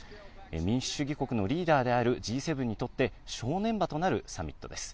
民主主義国のリーダーであるＧ７にとって、正念場となるサミットです。